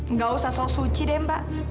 nggak usah asal suci deh mbak